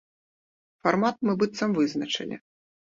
Фармат мы быццам бы вызначылі.